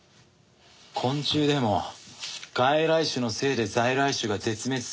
昆虫でも外来種のせいで在来種が絶滅するだろ？